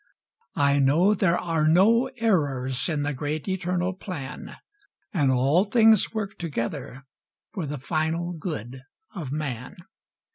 I know there are no errors, In the great Eternal plan, And all things work together For the final good of man.